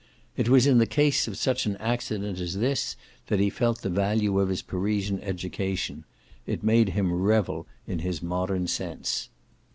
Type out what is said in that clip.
It was in the case of such an accident as this that he felt the value of his Parisian education. It made him revel in his modern sense.